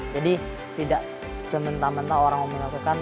jadi tidak sementara mentara orang memiliki kemampuan